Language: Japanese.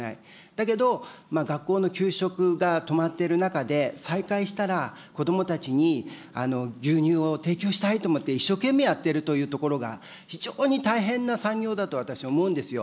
だけど、学校の給食が止まっている中で、再開したら、子どもたちに牛乳を提供したいと思って一生懸命やっているというところが、非常に大変な産業だと、私は思うんですよ。